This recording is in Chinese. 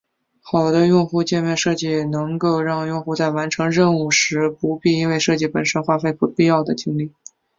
好的用户界面设计能够让用户在完成任务时不必因为设计本身花费不必要的精力。